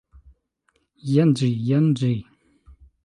Jen ĝi! jen ĝi!